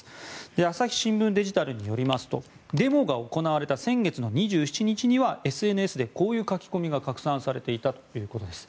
朝日新聞デジタルによりますとデモが行われた先月の２７日にはＳＮＳでこういう書き込みが拡散されていたということです。